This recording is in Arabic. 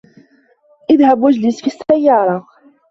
اذهب و اجلس في السّيّارة.